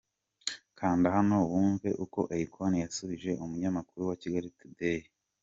Kanda hano wumve uko Akon yasubije umunyamakuru wa Kigali Tudeyi.